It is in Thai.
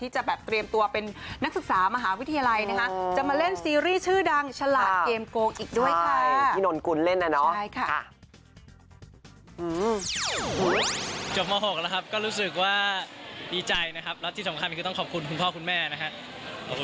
จบมา๖แล้วครับก็รู้สึกว่าดีใจนะครับแล้วที่สำคัญก็คือต้องขอบคุณคุณพ่อคุณแม่นะครับ